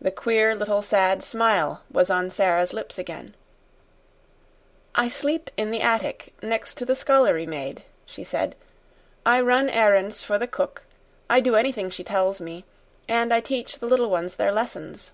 The queer little sad smile was on Sara's lips again. "I sleep in the attic, next to the scullery maid," she said. "I run errands for the cook I do anything she tells me; and I teach the little ones their lessons."